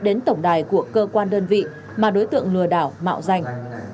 đến tổng đài của cơ quan đơn vị mà đối tượng lừa đảo mạo danh